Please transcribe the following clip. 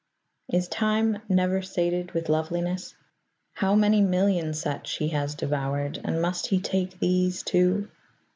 Is Time never sated with loveliness? How many million such he has devoured, and must he take these, too?